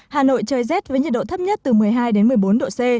hà nội chơi z với nhiệt độ thấp nhất từ một mươi hai một mươi bốn độ c